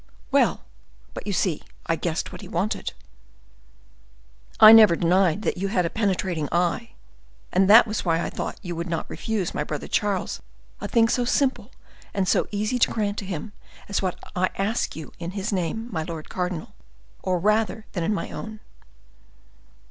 "Well, but you see I guessed what he wanted." "I never denied that you had a penetrating eye, and that was why I thought you would not refuse my brother Charles a thing so simple and so easy to grant him as what I ask of you in his name, my lord cardinal, or rather in my own."